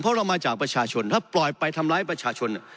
เพราะเรามาจากประชาชนถ้าปล่อยไปทำร้ายประชาชน